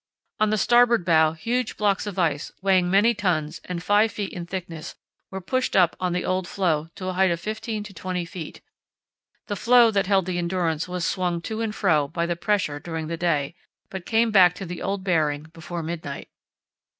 On the starboard bow huge blocks of ice, weighing many tons and 5 ft. in thickness, were pushed up on the old floe to a height of 15 to 20 ft. The floe that held the Endurance was swung to and fro by the pressure during the day, but came back to the old bearing before midnight.